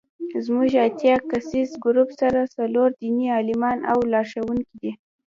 زموږ اتیا کسیز ګروپ سره څلور دیني عالمان او لارښوونکي دي.